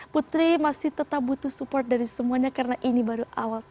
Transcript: putri masih tetap butuh support dari semuanya karena ini baru awal